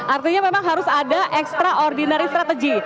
artinya memang harus ada extraordinary strategy